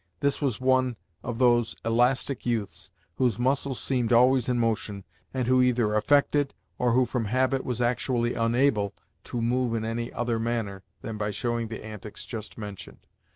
This was one of those elastic youths whose muscles seemed always in motion, and who either affected, or who from habit was actually unable, to move in any other manner than by showing the antics just mentioned.